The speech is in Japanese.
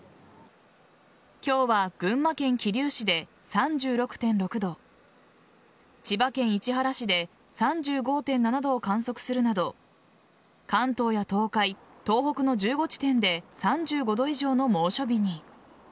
今日は群馬県桐生市で３６．６度千葉県市原市で３５．７度を観測するなど関東や東海、東北の１５地点で３５度以上の猛暑日に。